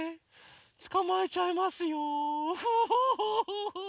つかまえちゃいますよフフフフフ！